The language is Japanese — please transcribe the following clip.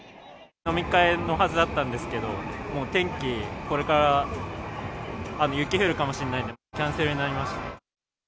飲み会のはずだったんですけど、もう天気、これから雪降るかもしれないんで、キャンセルになりました。